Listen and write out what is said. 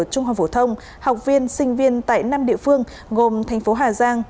trung học phổ thông học viên sinh viên tại năm địa phương gồm thành phố hà giang